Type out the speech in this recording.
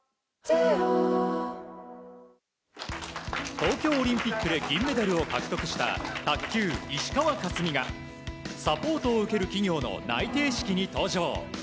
東京オリンピックで銀メダルを獲得した卓球、石川佳純がサポートを受ける企業の内定式に登場。